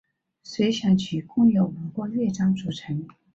随想曲共有五个乐章组成。